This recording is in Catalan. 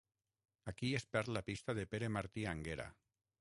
Aquí es perd la pista de Pere Martí Anguera.